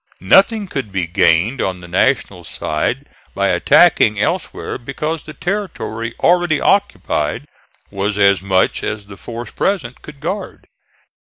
Nothing could be gained on the National side by attacking elsewhere, because the territory already occupied was as much as the force present could guard.